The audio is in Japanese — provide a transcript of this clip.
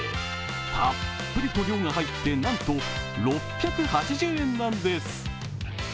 たっぷりと量が入って、なんと６８０円なんです。